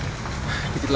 tidak tidak bisa